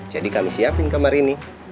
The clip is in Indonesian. jadi kami siapin kamar ini